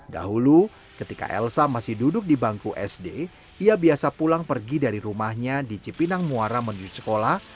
dahulu ketika elsa masih duduk di bangku sd ia biasa pulang pergi dari rumahnya di cipinang muara menuju sekolah